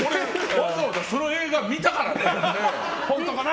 わざわざその映画見たからね。